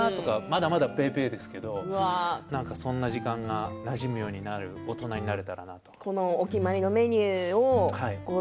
まだまだぺーぺーですけどそんな時間がなじむような大人になれたらなと思います。